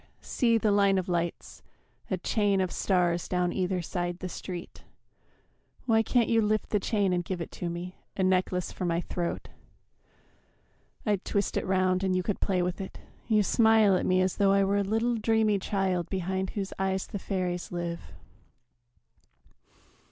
See the line of lights, A chain of stars down either side the street Why can't you lift the chain and give it to me, A necklace for my throat? I'd twist it round And you could play with it. You smile at me As though I were a little dreamy child Behind whose eyes the fairies live.